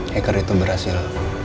hacker itu berhasil